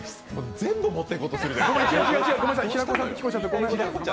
全部持ってこうとするじゃん。